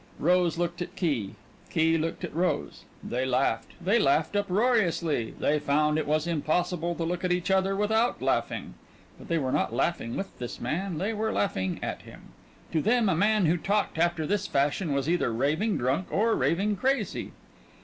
Rose looked at Key; Key looked at Rose. They laughed; they laughed uproariously; they found it was impossible to look at each other without laughing. But they were not laughing with this man they were laughing at him. To them a man who talked after this fashion was either raving drunk or raving crazy.